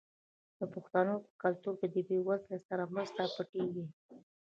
د پښتنو په کلتور کې د بې وزلو سره مرسته پټه کیږي.